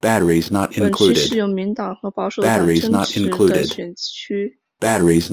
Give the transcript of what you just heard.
本区是自民党和保守党争持的选区。